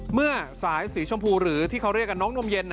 เมื่อสายสีชมพูหรือที่เขาเรียกกันน้องนมเย็น